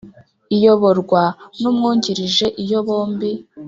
iyoborwa n umwungirije Iyo bombi